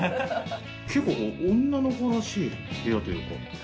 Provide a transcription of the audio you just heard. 結構女の子らしい部屋というか。